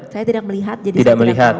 saya tidak melihat jadi saya tidak tahu